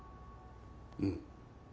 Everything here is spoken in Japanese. うん。